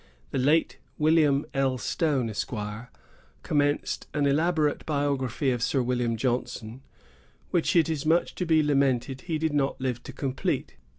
The late William L. Stone, Esq., commenced an elaborate biography of Sir William Johnson, which it is much to be lamented he did not live to complete.